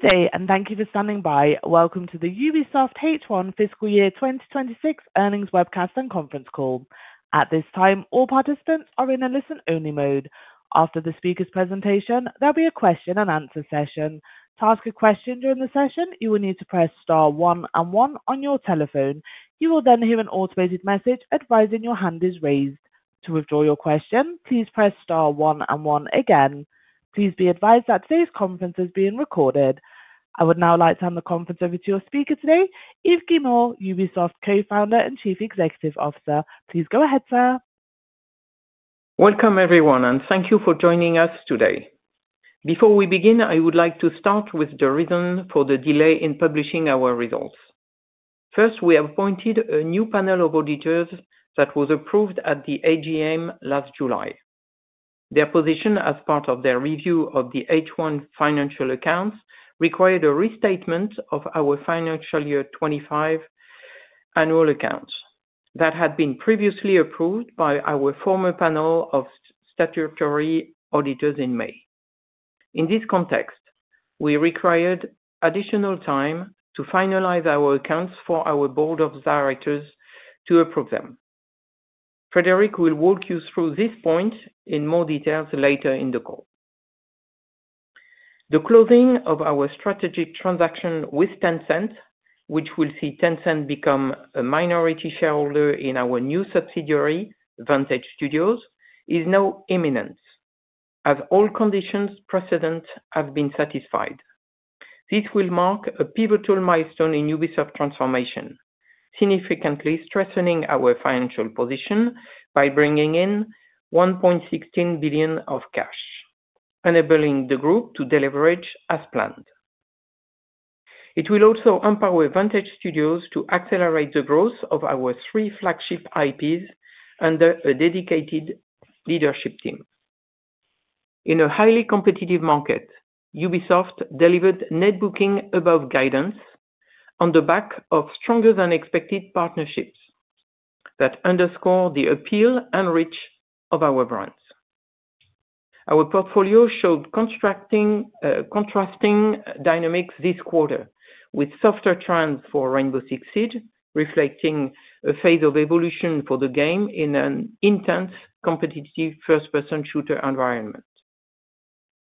Today, and thank you for standing by. Welcome to the Ubisoft H1 Fiscal Year 2026 earnings webcast and Conference Call. At this time, all participants are in a listen-only mode. After the speaker's presentation, there'll be a question-and-answer session. To ask a question during the session, you will need to press star one and one on your telephone. You will then hear an automated message advising your hand is raised. To withdraw your question, please press star one and one again. Please be advised that today's Conference is being recorded. I would now like to hand the conference over to your speaker today, Yves Guillemot, Ubisoft Co-founder and Chief Executive Officer. Please go ahead, sir. Welcome, everyone, and thank you for joining us today. Before we begin, I would like to start with the reason for the delay in publishing our results. First, we appointed a new panel of auditors that was approved at the AGM last July. Their position, as part of their review of the H1 financial accounts, required a restatement of our financial year 2025 annual accounts that had been previously approved by our former panel of statutory auditors in May. In this context, we required additional time to finalize our accounts for our board of directors to approve them. Frédérick will walk you through this point in more detail later in the call. The closing of our strategic transaction with Tencent, which will see Tencent become a minority shareholder in our new subsidiary, Vantage Studios, is now imminent, as all conditions precedent have been satisfied. This will mark a pivotal milestone in Ubisoft transformation, significantly strengthening our financial position by bringing in 1.16 billion of cash, enabling the group to deleverage as planned. It will also empower Vantage Studios to accelerate the growth of our three flagship IPs under a dedicated leadership team. In a highly competitive market, Ubisoft delivered net bookings above guidance on the back of stronger-than-expected partnerships that underscore the appeal and reach of our brands. Our portfolio showed contrasting dynamics this quarter, with softer trends for Rainbow Six Siege, reflecting a phase of evolution for the game in an intense, competitive first-person shooter environment,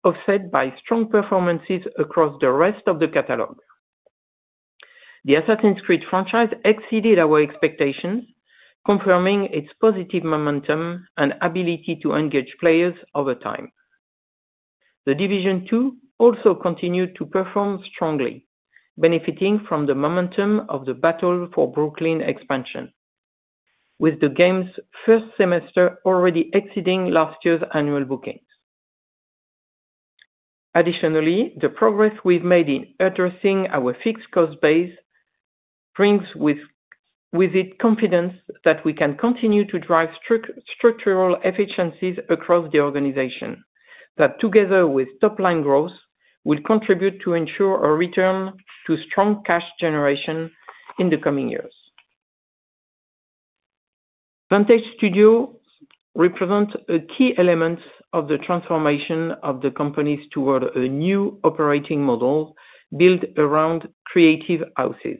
offset by strong performances across the rest of the catalog. The Assassin's Creed franchise exceeded our expectations, confirming its positive momentum and ability to engage players over time. The Division two also continued to perform strongly, benefiting from the momentum of the Battle for Brooklyn expansion, with the game's first semester already exceeding last year's annual bookings. Additionally, the progress we've made in addressing our fixed cost base brings with it confidence that we can continue to drive structural efficiencies across the organization that, together with top-line growth, will contribute to ensure a return to strong cash generation in the coming years. Vantage Studios represents a key element of the transformation of the company toward a new operating model built around creative houses.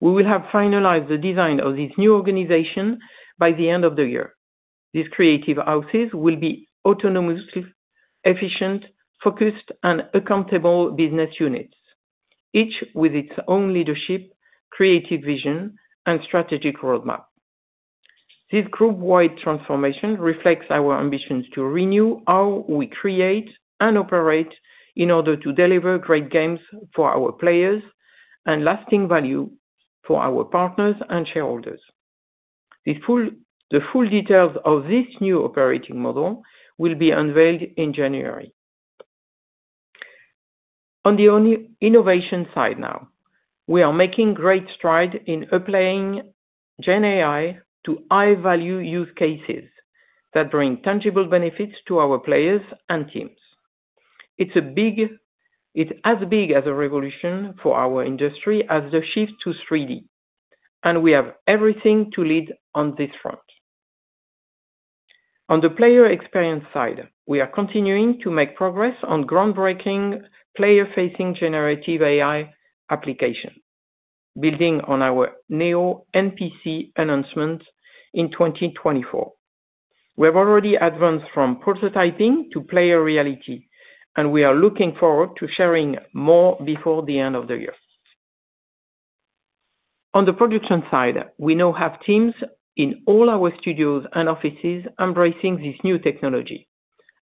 We will have finalized the design of this new organization by the end of the year. These creative houses will be autonomously efficient, focused, and accountable business units, each with its own leadership, creative vision, and strategic roadmap. This group-wide transformation reflects our ambitions to renew how we create and operate in order to deliver great games for our players and lasting value for our partners and shareholders. The full details of this new operating model will be unveiled in January. On the innovation side now, we are making great strides in applying Gen AI to high-value use cases that bring tangible benefits to our players and teams. It's as big as a revolution for our industry as the shift to 3D, and we have everything to lead on this front. On the player experience side, we are continuing to make progress on groundbreaking player-facing generative AI applications, building on our Neo NPC announcement in 2024. We have already advanced from prototyping to player reality, and we are looking forward to sharing more before the end of the year. On the production side, we now have teams in all our studios and offices embracing this new technology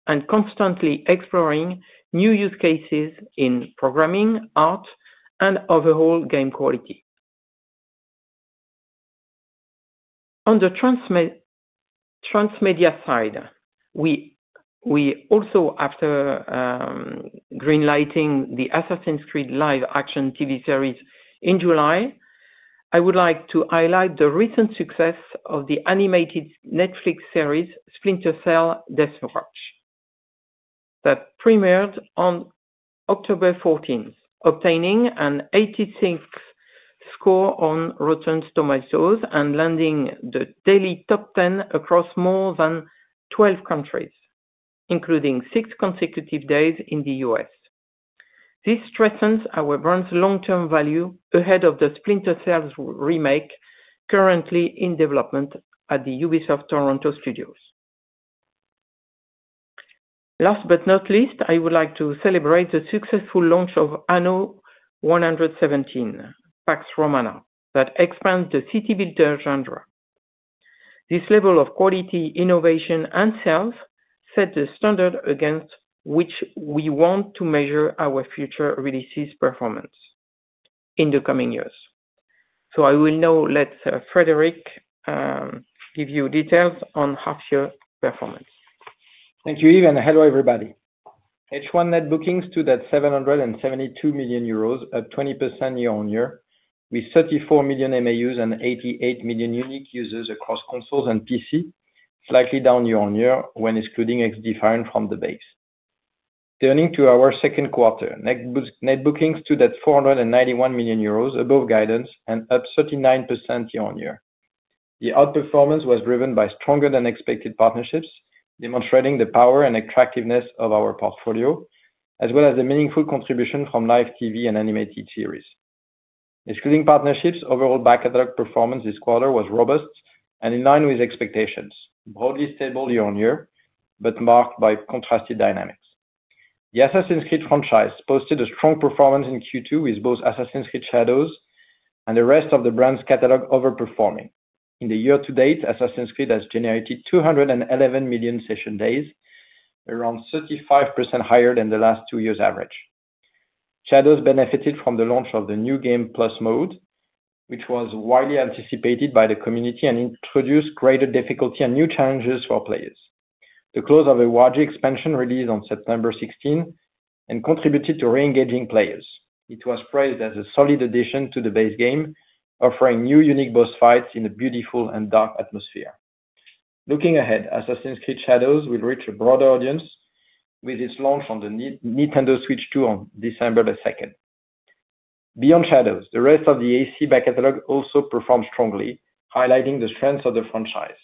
and constantly exploring new use cases in programming, art, and overall game quality. On the transmedia side, we also, after greenlighting the Assassin's Creed live-action TV series in July, I would like to highlight the recent success of the animated Netflix series Splinter Cell this March that premiered on October 14, obtaining an 86 score on Rotten Tomatoes and landing the daily top 10 across more than 12 countries, including six consecutive days in the U.S. This strengthens our brand's long-term value ahead of the Splinter Cell remake, currently in development at the Ubisoft Toronto Studios. Last but not least, I would like to celebrate the successful launch of Anno 117: Pax Romana that expands the city-builder genre. This level of quality, innovation, and sales set the standard against which we want to measure our future releases' performance in the coming years. I will now let Frédérick give you details on half-year performance. Thank you, Yves. Hello, everybody. H1 net bookings stood at 772 million euros, up 20% year-on-year, with 34 million MAUs and 88 million unique users across consoles and PC, slightly down year-on-year when excluding XDefiant from the base. Turning to our second quarter, net bookings stood at 491 million euros, above guidance, and up 39% year-on-year. The outperformance was driven by stronger-than-expected partnerships, demonstrating the power and attractiveness of our portfolio, as well as a meaningful contribution from live TV and animated series. Excluding partnerships, overall back-of-the-rack performance this quarter was robust and in line with expectations, broadly stable year-on-year, but marked by contrasted dynamics. The Assassin's Creed franchise posted a strong performance in Q2, with both Assassin's Creed Shadows and the rest of the brand's catalog overperforming. In the year to date, Assassin's Creed has generated 211 million session days, around 35% higher than the last two years' average. Shadows benefited from the launch of the New Game Plus mode, which was widely anticipated by the community and introduced greater difficulty and new challenges for players. The close of a large expansion released on September 16 contributed to re-engaging players. It was praised as a solid addition to the base game, offering new unique boss fights in a beautiful and dark atmosphere. Looking ahead, Assassin's Creed Shadows will reach a broader audience with its launch on the Nintendo Switch two on December 2. Beyond Shadows, the rest of the AC back catalog also performed strongly, highlighting the strengths of the franchise.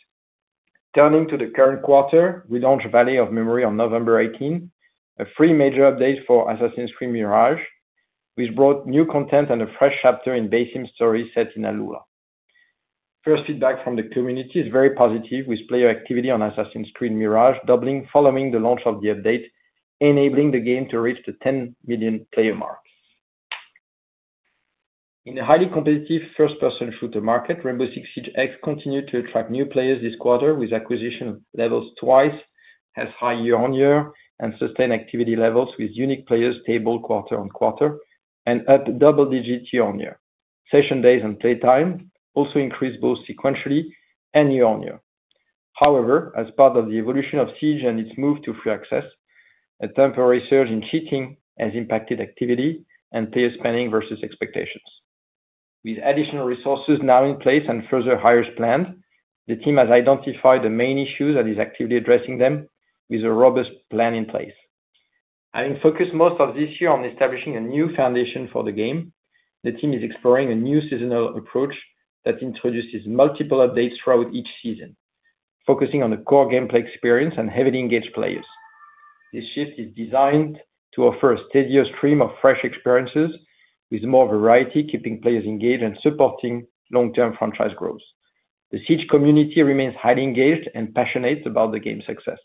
Turning to the current quarter, we launched Valley of Memory on November 18, a free major update for Assassin's Creed Mirage, which brought new content and a fresh chapter in Basim's story set in Al-Ula. First feedback from the community is very positive, with player activity on Assassin's Creed Mirage doubling following the launch of the update, enabling the game to reach the 10 million player mark. In a highly competitive first-person shooter market, Rainbow Six Siege continued to attract new players this quarter with acquisition levels twice as high year-on-year, and sustained activity levels with unique players stable quarter on quarter and up double-digit year-on-year. Session days and play time also increased both sequentially and year-on-year. However, as part of the evolution of Siege and its move to free access, a temporary surge in cheating has impacted activity and player spending versus expectations. With additional resources now in place and further hires planned, the team has identified the main issues and is actively addressing them with a robust plan in place. Having focused most of this year on establishing a new foundation for the game, the team is exploring a new seasonal approach that introduces multiple updates throughout each season, focusing on the core gameplay experience and heavily engaged players. This shift is designed to offer a steadier stream of fresh experiences with more variety, keeping players engaged and supporting long-term franchise growth. The Siege community remains highly engaged and passionate about the game's success.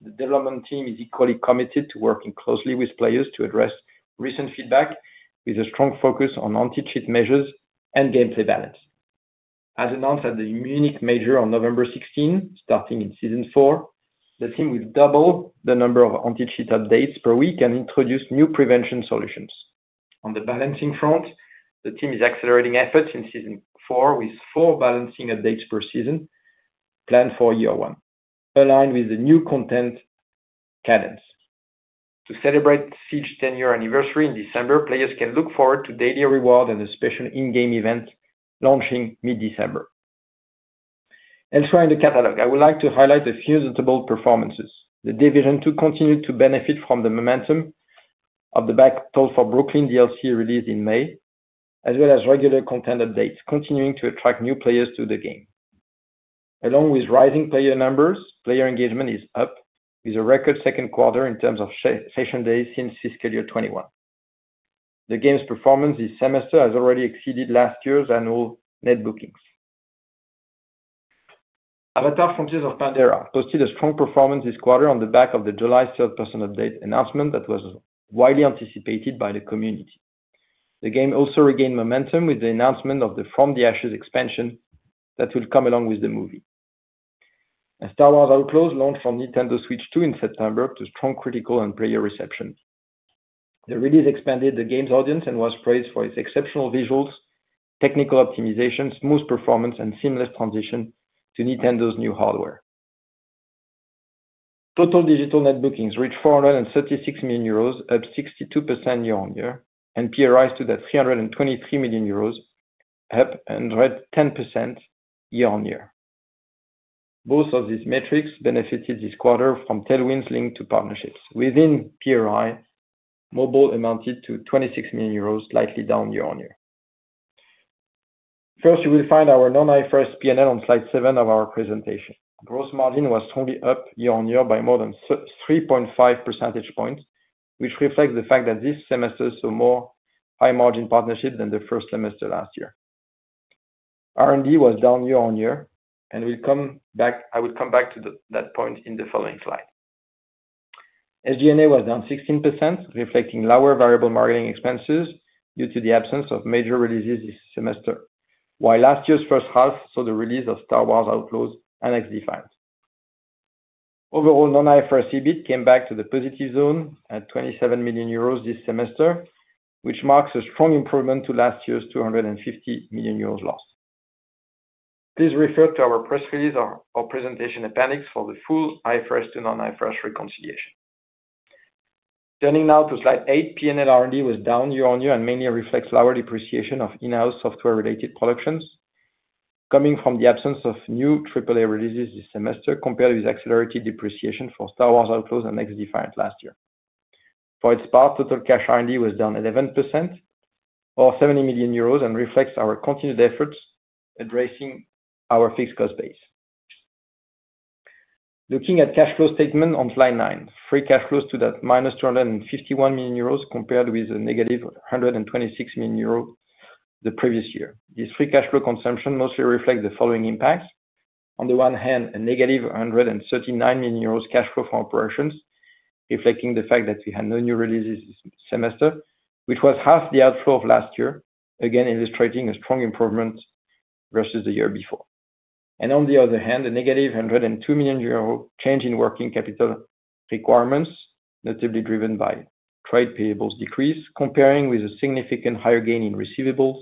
The development team is equally committed to working closely with players to address recent feedback, with a strong focus on anti-cheat measures and gameplay balance. As announced at the Munich major on November 16, starting in Season four, the team will double the number of anti-cheat updates per week and introduce new prevention solutions. On the balancing front, the team is accelerating efforts in Season 4 with four balancing updates per season planned for Year one, aligned with the new content cadence. To celebrate Siege's 10-year anniversary in December, players can look forward to daily rewards and a special in-game event launching mid-December. Elsewhere in the catalog, I would like to highlight a few notable performances. The Division two continued to benefit from the momentum of the Battle for Brooklyn DLC released in May, as well as regular content updates continuing to attract new players to the game. Along with rising player numbers, player engagement is up, with a record second quarter in terms of session days since Fiscal Year 2021. The game's performance this semester has already exceeded last year's annual net bookings. Avatar: Frontiers of Pandora posted a strong performance this quarter on the back of the July third-person update announcement that was widely anticipated by the community. The game also regained momentum with the announcement of the From the Ashes expansion that will come along with the movie. Star Wars Outlaws launched on Nintendo Switch two in September to strong critical and player reception. The release expanded the game's audience and was praised for its exceptional visuals, technical optimizations, smooth performance, and seamless transition to Nintendo's new hardware. Total digital net bookings reached 436 million euros, up 62% year-on-year, and PRI stood at 323 million euros, up 10% year-on-year. Both of these metrics benefited this quarter from tailwinds linked to partnerships. Within PRI, mobile amounted to 26 million euros, slightly down year-on-year. First, you will find our non-IFRS P&L on slide 7 of our presentation. Gross margin was strongly up year-on-year by more than 3.5 percentage points, which reflects the fact that this semester saw more high-margin partnerships than the first semester last year. R&D was down year-on-year, and I will come back to that point in the following slide. SG&A was down 16%, reflecting lower variable marketing expenses due to the absence of major releases this semester, while last year's first half saw the release of Star Wars Outlaws and XDefiant. Overall, non-IFRS EBIT came back to the positive zone at 27 million euros this semester, which marks a strong improvement to last year's 250 million euros loss. Please refer to our press release or presentation appendix for the full IFRS to non-IFRS reconciliation. Turning now to slide eight, P&L R&D was down year-on-year and mainly reflects lower depreciation of in-house software-related productions, coming from the absence of new AAA releases this semester compared with accelerated depreciation for Star Wars Outlaws and XDefiant last year. For its part, total cash R&D was down 11%, or 70 million euros, and reflects our continued efforts addressing our fixed cost base. Looking at cash flow statement on slide nine, free cash flows stood at -251 million euros compared with a negative 126 million euros the previous year. This free cash flow consumption mostly reflects the following impacts. On the one hand, a negative 139 million euros cash flow from operations, reflecting the fact that we had no new releases this semester, which was half the outflow of last year, again illustrating a strong improvement versus the year before. On the other hand, a negative 102 million euro change in working capital requirements, notably driven by trade payables decrease, comparing with a significantly higher gain in receivables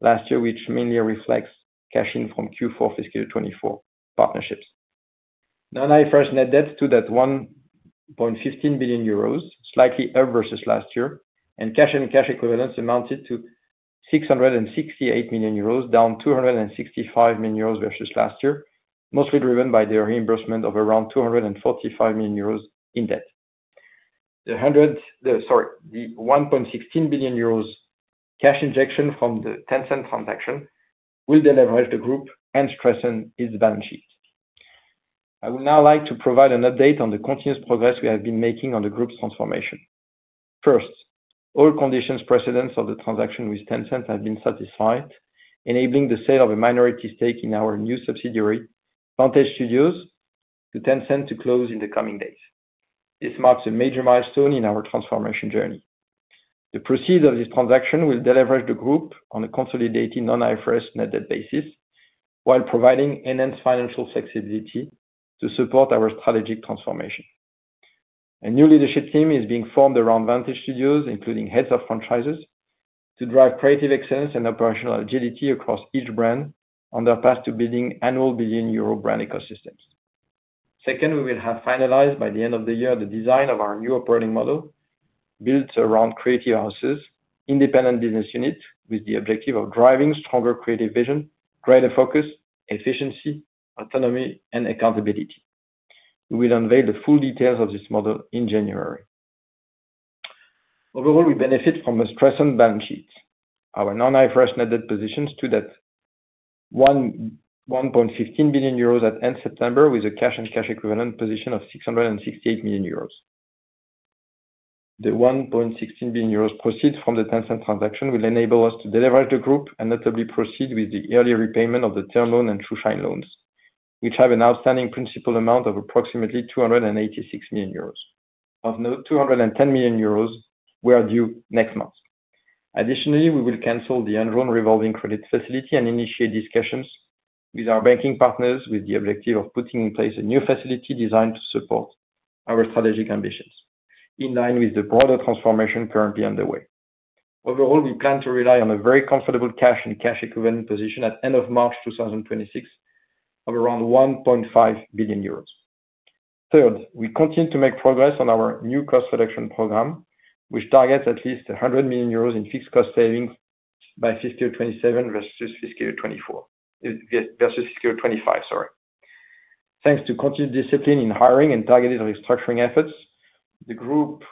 last year, which mainly reflects cash in from Q4 Fiscal Year 2024 partnerships. Non-IFRS net debt stood at 1.15 billion euros, slightly up versus last year, and cash and cash equivalents amounted to 668 million euros, down 265 million euros versus last year, mostly driven by the reimbursement of around 245 million euros in debt. The 1.16 billion euros cash injection from the Tencent transaction will deleverage the group and strengthen its balance sheet. I would now like to provide an update on the continuous progress we have been making on the group's transformation. First, all conditions precedent of the transaction with Tencent have been satisfied, enabling the sale of a minority stake in our new subsidiary, Vantage Studios, to Tencent to close in the coming days. This marks a major milestone in our transformation journey. The proceeds of this transaction will deleverage the group on a consolidated non-IFRS net debt basis while providing enhanced financial flexibility to support our strategic transformation. A new leadership team is being formed around Vantage Studios, including heads of franchises, to drive creative excellence and operational agility across each brand on their path to building annual billion-euro brand ecosystems. Second, we will have finalized by the end of the year the design of our new operating model, built around creative houses, independent business units, with the objective of driving stronger creative vision, greater focus, efficiency, autonomy, and accountability. We will unveil the full details of this model in January. Overall, we benefit from a strengthened balance sheet. Our non-IFRS net debt position stood at 1.15 billion euros at end September, with a cash and cash equivalent position of 668 million euros. The 1.16 billion euros proceeds from the Tencent transaction will enable us to deleverage the group and notably proceed with the early repayment of the term loan and Tranche 1 loans, which have an outstanding principal amount of approximately 286 million euros. Of note, 210 million euros were due next month. Additionally, we will cancel the existing revolving credit facility and initiate discussions with our banking partners, with the objective of putting in place a new facility designed to support our strategic ambitions, in line with the broader transformation currently underway. Overall, we plan to rely on a very comfortable cash and cash equivalent position at the end of March 2026 of around 1.5 billion euros. Third, we continue to make progress on our new cost reduction program, which targets at least 100 million euros in fixed cost savings by Fiscal Year 2027 versus Fiscal Year 2024. Thanks to continued discipline in hiring and targeted restructuring efforts, the group's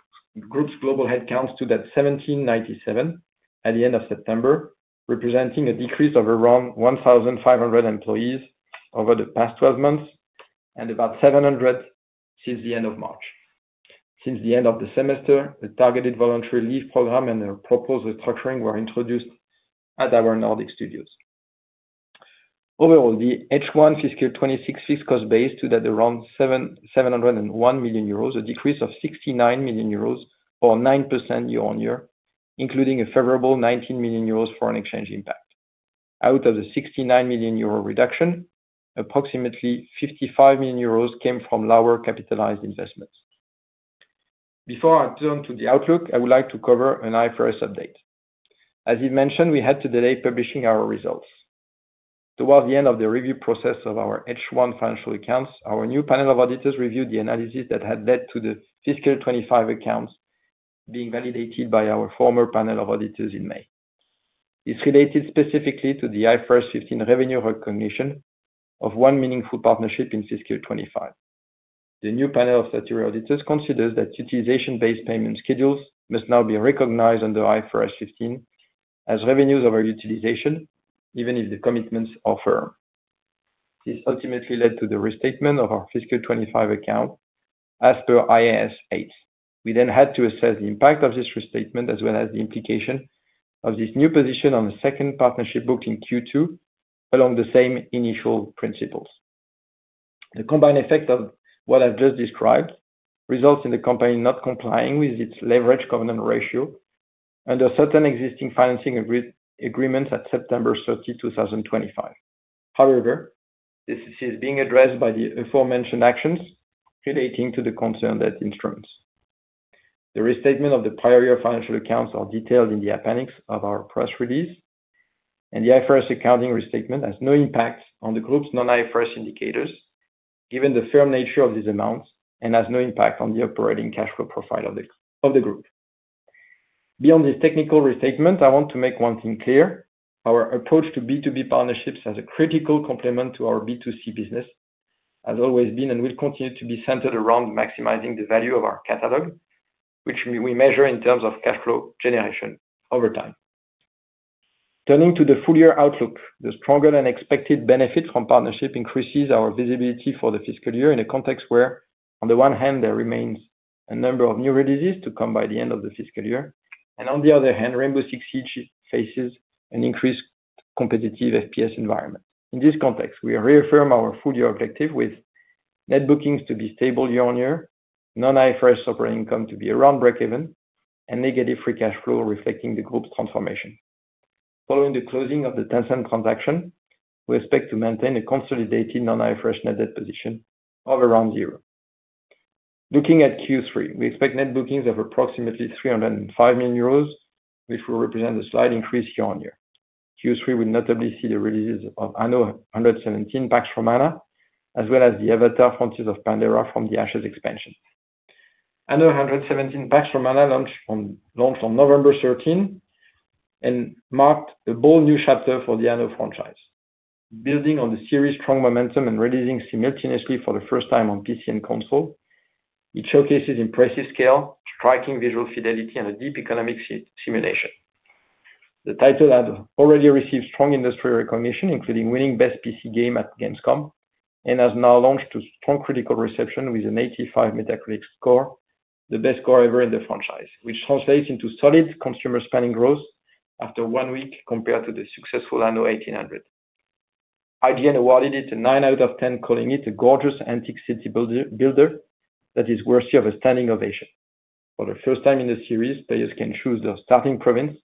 global headcount stood at 1,797 at the end of September, representing a decrease of around 1,500 employees over the past 12 months and about 700 since the end of March. Since the end of the semester, a targeted voluntary leave program and a proposed restructuring were introduced at our Nordic studios. Overall, the H1 Fiscal Year 2026 fixed cost base stood at around 701 million euros, a decrease of 69 million euros, or nine year-on-year, including a favorable 19 million euros foreign exchange impact. Out of the 69 million euro reduction, approximately 55 million euros came from lower capitalized investments. Before I turn to the outlook, I would like to cover an IFRS update. As you mentioned, we had to delay publishing our results. Towards the end of the review process of our H1 financial accounts, our new panel of auditors reviewed the analysis that had led to the Fiscal Year 2025 accounts being validated by our former panel of auditors in May. This related specifically to the IFRS 15 revenue recognition of one meaningful partnership in Fiscal Year 2025. The new panel of statutory auditors considers that utilization-based payment schedules must now be recognized under IFRS 15 as revenues over utilization, even if the commitments are firm. This ultimately led to the restatement of our Fiscal Year 2025 account as per IAS 8. We then had to assess the impact of this restatement, as well as the implication of this new position on the second partnership booked in Q2, along the same initial principles. The combined effect of what I've just described results in the company not complying with its leverage covenant ratio under certain existing financing agreements at September 30, 2025. However, this is being addressed by the aforementioned actions relating to the concerned debt instruments. The restatement of the prior year financial accounts is detailed in the appendix of our press release, and the IFRS accounting restatement has no impact on the group's non-IFRS indicators, given the firm nature of these amounts, and has no impact on the operating cash flow profile of the group. Beyond this technical restatement, I want to make one thing clear. Our approach to B2B partnerships as a critical complement to our B2C business has always been and will continue to be centered around maximizing the value of our catalog, which we measure in terms of cash flow generation over time. Turning to the full year outlook, the stronger than expected benefit from partnership increases our visibility for the fiscal year in a context where, on the one hand, there remains a number of new releases to come by the end of the fiscal year, and on the other hand, Rainbow Six Siege faces an increased competitive FPS environment. In this context, we reaffirm our full year objective with net bookings to be stable year-on-year, non-IFRS operating income to be around breakeven, and negative free cash flow reflecting the group's transformation. Following the closing of the Tencent transaction, we expect to maintain a consolidated non-IFRS net debt position of around zero. Looking at Q3, we expect net bookings of approximately 305 million euros, which will represent a slight increase year-on-year. Q3 would notably see the releases of Anno 117: Pax Romana, as well as the Avatar: Frontiers of Pandora From the Ashes expansion. Anno 117: Pax Romana launched on November 13 and marked a bold new chapter for the Anno franchise. Building on the series' strong momentum and releasing simultaneously for the first time on PC and console, it showcases impressive scale, striking visual fidelity, and a deep economic simulation. The title has already received strong industry recognition, including winning Best PC Game at Gamescom, and has now launched to strong critical reception with an 85 Metacritic score, the best score ever in the franchise, which translates into solid consumer spending growth after one week compared to the successful Anno 1800. IGN awarded it a 9 out of 10, calling it a gorgeous antique city builder that is worthy of a standing ovation. For the first time in the series, players can choose their starting province,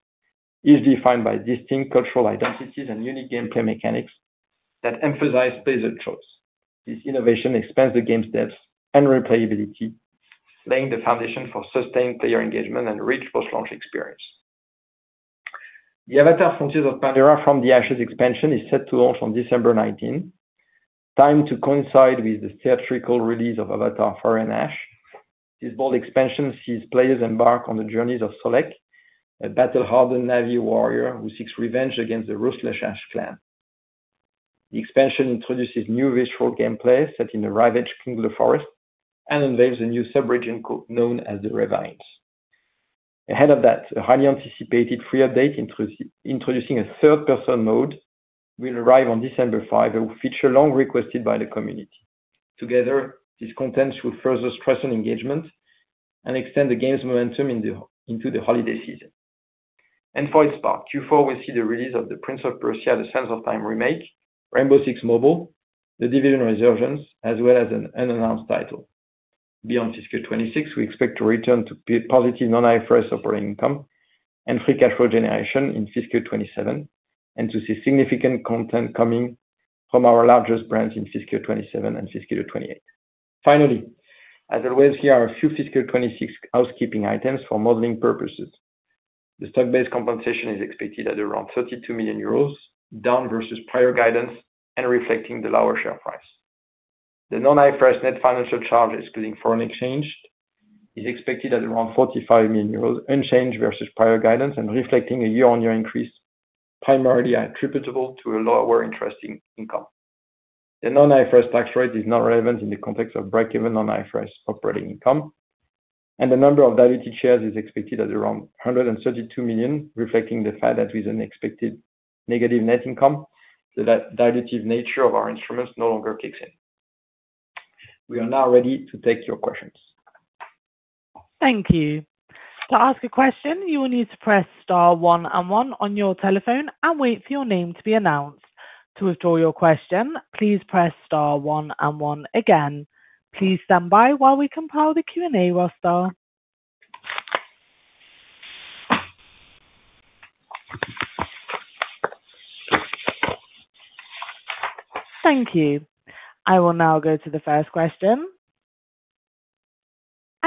easily defined by distinct cultural identities and unique gameplay mechanics that emphasize player choice. This innovation expands the game's depth and replayability, laying the foundation for sustained player engagement and a rich post-launch experience. The Avatar: Frontiers of Pandora From the Ashes expansion is set to launch on December 19, timed to coincide with the theatrical release of Avatar: Frontiers of Pandora. This bold expansion sees players embark on the journeys of Solec, a battle-hardened Na'vi warrior who seeks revenge against the ruthless Ash Clan. The expansion introduces new visual gameplay set in the Rivage Klingler Forest and unveils a new sub-region known as the Ravines. Ahead of that, a highly anticipated free update introducing a third-person mode will arrive on December 5, which will feature long requested by the community. Together, this content should further strengthen engagement and extend the game's momentum into the holiday season. For its part, Q4, we see the release of Prince of Persia: The Sands of Time remake, Rainbow Six Mobile, The Division Resurgence, as well as an unannounced title. Beyond Fiscal Year 2026, we expect to return to positive non-IFRS operating income and free cash flow generation in Fiscal Year 2027, and to see significant content coming from our largest brands in Fiscal Year 2027 and Fiscal Year 2028. Finally, as always, here are a few Fiscal Year 2026 housekeeping items for modeling purposes. The stock-based compensation is expected at around 32 million euros, down versus prior guidance and reflecting the lower share price. The non-IFRS net financial charge, excluding foreign exchange, is expected at around 45 million euros unchanged versus prior guidance and reflecting a year-on-year increase, primarily attributable to a lower interest income. The non-IFRS tax rate is not relevant in the context of breakeven non-IFRS operating income, and the number of diluted shares is expected at around 132 million, reflecting the fact that with an expected negative net income, the dilutive nature of our instruments no longer kicks in. We are now ready to take your questions. Thank you. To ask a question, you will need to press star one and one on your telephone and wait for your name to be announced. To withdraw your question, please press star one and one again. Please stand by while we compile the Q&A roster. Thank you. I will now go to the first question.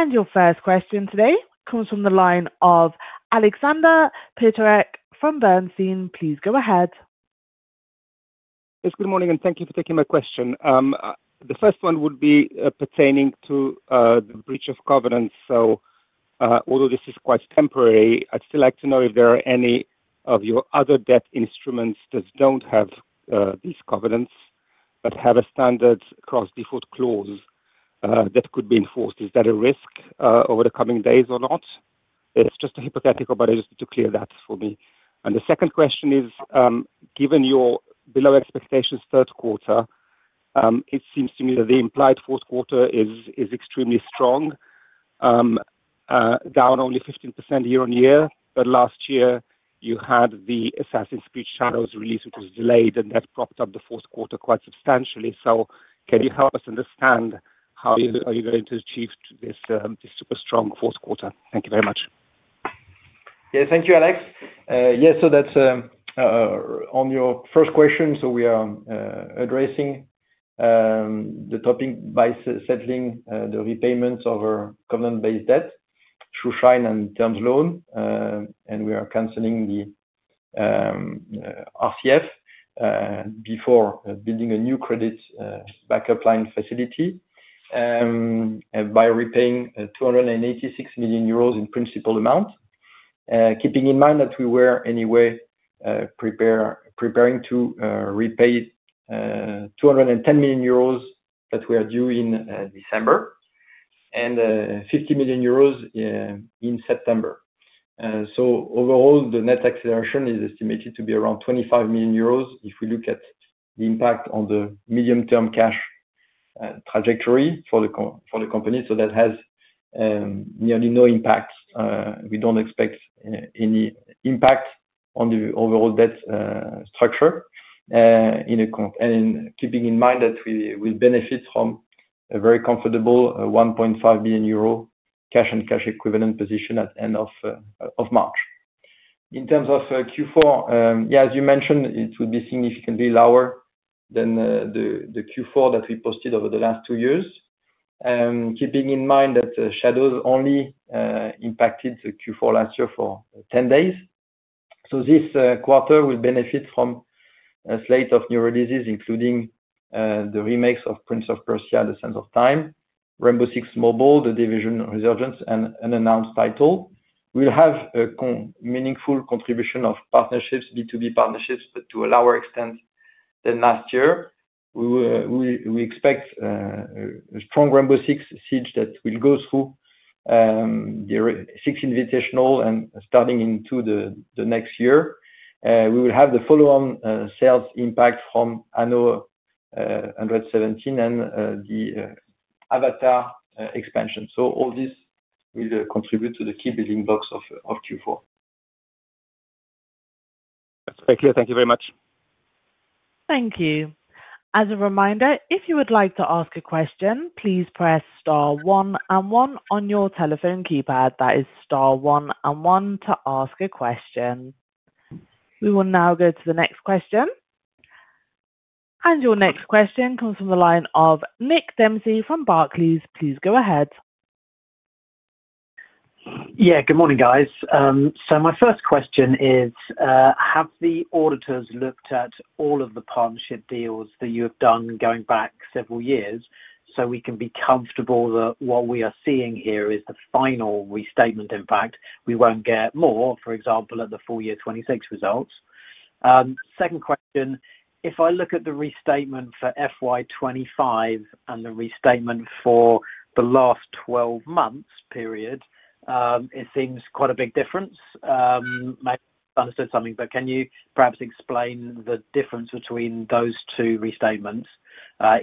Your first question today comes from the line of Alexander Peterc from Bernstein. Please go ahead. Yes, good morning, and thank you for taking my question. The first one would be pertaining to the breach of covenants. Although this is quite temporary, I'd still like to know if there are any of your other debt instruments that don't have these covenants that have a standard cross-default clause that could be enforced. Is that a risk over the coming days or not? It's just a hypothetical, but I just need to clear that for me. The second question is, given your below-expectations third quarter, it seems to me that the implied fourth quarter is extremely strong, down only 15% year-on-year. Last year, you had the Assassin's Creed Shadows release, which was delayed, and that propped up the fourth quarter quite substantially. Can you help us understand how you're going to achieve this super strong fourth quarter? Thank you very much. Yeah, thank you, Alex. Yeah, that's on your first question. We are addressing the topic by settling the repayments of our covenant-based debt, true shine, and terms loan. We are canceling the RCF before building a new credit backup line facility by repaying 286 million euros in principal amount, keeping in mind that we were anyway preparing to repay 210 million euros that we are due in December and 50 million euros in September. Overall, the net acceleration is estimated to be around 25 million euros if we look at the impact on the medium-term cash trajectory for the company. That has nearly no impact. We do not expect any impact on the overall debt structure in account, keeping in mind that we will benefit from a very comfortable 1.5 million euro cash and cash equivalent position at the end of March. In terms of Q4, yeah, as you mentioned, it would be significantly lower than the Q4 that we posted over the last two years, keeping in mind that Shadows only impacted Q4 last year for 10 days. This quarter will benefit from a slate of new releases, including the remakes of Prince of Persia: The Sands of Time, Rainbow Six Mobile, The Division Resurgence, and an unannounced title. We will have a meaningful contribution of partnerships, B2B partnerships, but to a lower extent than last year. We expect a strong Rainbow Six Siege that will go through the Six Invitational and starting into the next year. We will have the follow-on sales impact from Anno 117 and the Avatar expansion. All this will contribute to the key building blocks of Q4. That's very clear. Thank you very much. Thank you. As a reminder, if you would like to ask a question, please press star one and one on your telephone keypad. That is star one and one to ask a question. We will now go to the next question. Your next question comes from the line of Nick Dempsey from Barclays. Please go ahead. Yeah, good morning, guys. My first question is, have the auditors looked at all of the partnership deals that you have done going back several years so we can be comfortable that what we are seeing here is the final restatement? In fact, we won't get more, for example, at the full year 2026 results. Second question, if I look at the restatement for FY2025 and the restatement for the last 12 months period, it seems quite a big difference. Maybe I misunderstood something, but can you perhaps explain the difference between those two restatements,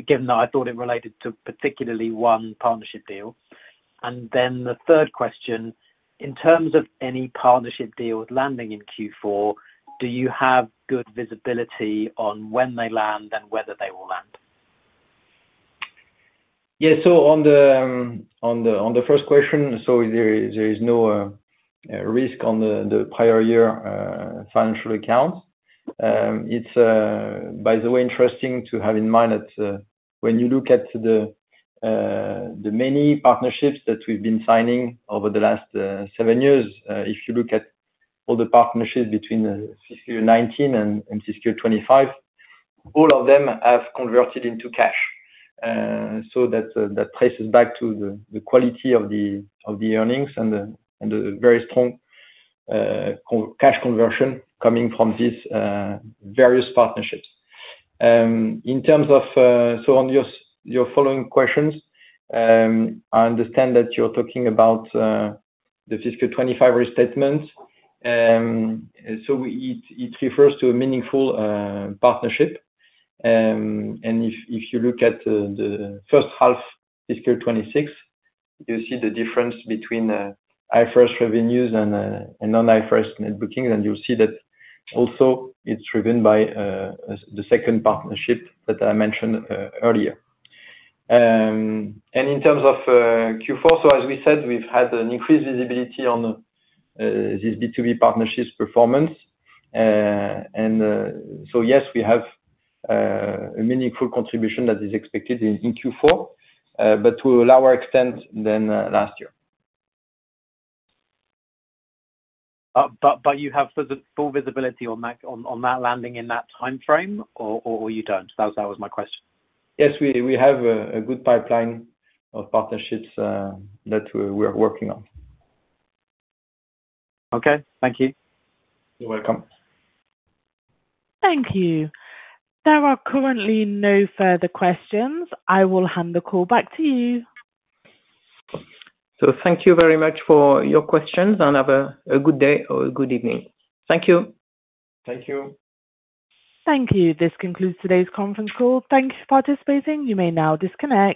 given that I thought it related to particularly one partnership deal? The third question, in terms of any partnership deals landing in Q4, do you have good visibility on when they land and whether they will land? Yeah, on the first question, there is no risk on the prior year financial accounts. It is, by the way, interesting to have in mind that when you look at the many partnerships that we've been signing over the last seven years, if you look at all the partnerships between Fiscal Year 2019 and Fiscal Year 2025, all of them have converted into cash. That traces back to the quality of the earnings and the very strong cash conversion coming from these various partnerships. In terms of your following questions, I understand that you're talking about the Fiscal Year 2025 restatement. It refers to a meaningful partnership. If you look at the first half, Fiscal Year 2026, you see the difference between IFRS revenues and non-IFRS net bookings, and you'll see that also it's driven by the second partnership that I mentioned earlier. In terms of Q4, as we said, we've had an increased visibility on these B2B partnerships' performance. Yes, we have a meaningful contribution that is expected in Q4, but to a lower extent than last year. You have full visibility on that landing in that timeframe, or you don't? That was my question. Yes, we have a good pipeline of partnerships that we are working on. Okay, thank you. You're welcome. Thank you. There are currently no further questions. I will hand the call back to you. Thank you very much for your questions, and have a good day or a good evening. Thank you. Thank you. Thank you. This concludes today's conference call. Thank you for participating. You may now disconnect.